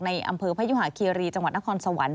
ในอำเภอพระยุหาเคียรีย์จังหวัดนครสวรรค์